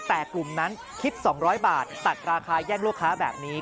แต่กลุ่มนั้นคิด๒๐๐บาทตัดราคาแย่งลูกค้าแบบนี้